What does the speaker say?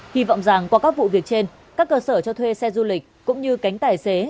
hy vọng rằng qua các vụ việc trên các cơ sở cho thuê xe du lịch cũng như cánh tài xế